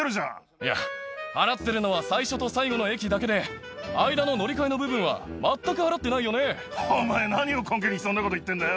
いや、払ってるのは最初と最後の駅だけで、間の乗り換えの部分は、お前、何を根拠にそんなこと言ってんだよ。